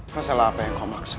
masalah apa yang kau maksud